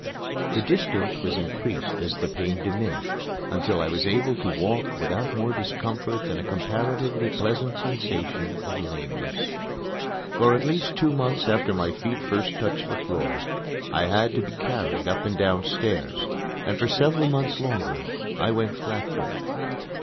The distance was increased as the pain diminished, until I was able to walk without more discomfort than a comparatively pleasant sensation of lameness. For at least two months after my feet first touched the floor I had to be carried up and downstairs, and for several months longer I went flat footed.